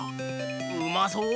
うまそう！